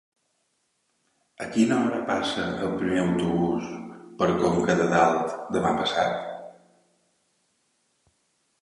A quina hora passa el primer autobús per Conca de Dalt demà passat?